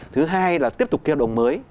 thứ hai là tiếp tục kêu đồng mới